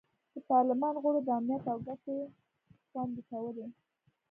د پارلمان غړو د امنیت او ګټې خوندي کولې.